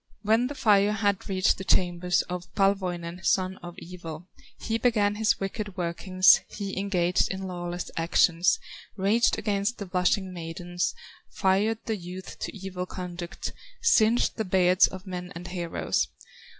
When the fire had reached the chambers Of Palwoinen, son of evil, He began his wicked workings, He engaged in lawless actions, Raged against the blushing maidens, Fired the youth to evil conduct, Singed the beards of men and heroes.